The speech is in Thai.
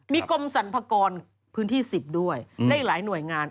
มีกรมสรรพากรพื้นที่๑๐ด้วยและอีกหลายหน่วยงาน